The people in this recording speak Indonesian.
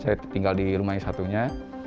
saya tinggal di rumah yang satunya